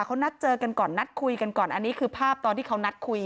เขานัดเจอกันก่อนนัดคุยกันก่อนอันนี้คือภาพตอนที่เขานัดคุย